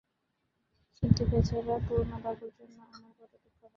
কিন্তু বেচারা পূর্ণবাবুর জন্যে আমার বড়ো দুঃখ হয়।